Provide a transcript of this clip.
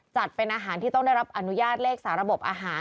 จัดเป็นอาหารที่ต้องได้รับอนุญาตเลขสาระบบอาหาร